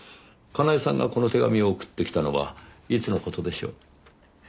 叶絵さんがこの手紙を送ってきたのはいつの事でしょう？